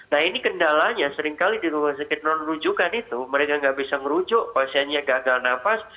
nah ini kendalanya seringkali di rumah sakit non rujukan itu mereka nggak bisa ngerujuk pasiennya gagal nafas